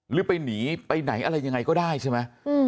หรือไปหนีไปไหนอะไรยังไงก็ได้ใช่ไหม